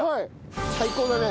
最高だね。